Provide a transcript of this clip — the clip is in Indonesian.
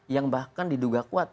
yang bahkan diduga kuat